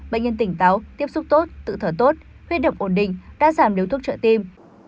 bệnh nhân tỉnh táo tiếp xúc tốt tự thở tốt huyết độc ổn định đã giảm điếu thuốc trợ tim